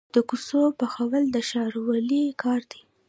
د کوڅو پخول د ښاروالۍ کار دی